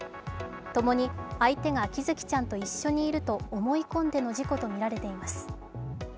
ともに相手が喜寿生ちゃんと一緒にいると思い込んでの事故とみられています。